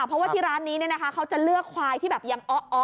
เพราะว่าที่ร้านนี้เขาจะเลือกควายที่แบบยังอ้อ